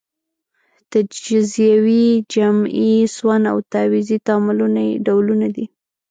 تجزیوي، جمعي، سون او تعویضي تعاملونه یې ډولونه دي.